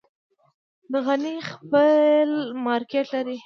د غني خیل مارکیټ لري